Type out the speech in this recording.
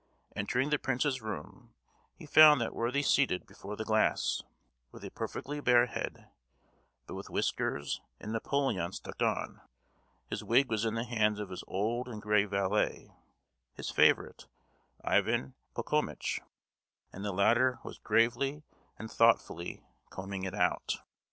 Entering the prince's room, he found that worthy seated before the glass, with a perfectly bare head, but with whiskers and napoleon stuck on. His wig was in the hands of his old and grey valet, his favourite Ivan Pochomitch, and the latter was gravely and thoughtfully combing it out.